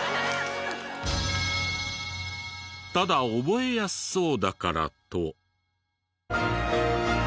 ただ覚えやすそうだからと。